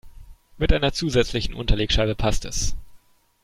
Mit einer zusätzlichen Unterlegscheibe passt es.